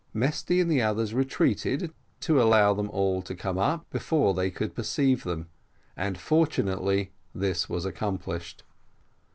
Mesty and the others retreated, to allow them all to come up before they could perceive them, and fortunately this was accomplished.